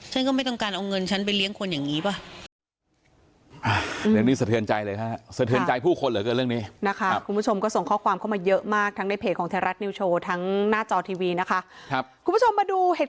ฉันก็ไม่ต้องการเอาเงินฉันไปเลี้ยงคนอย่างนี้ป่ะ